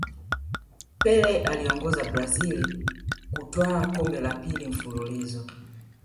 pele akiiongoza brazil kutwaa kombe la pili mfululizo